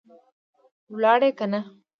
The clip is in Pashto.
ولاړې که نه؟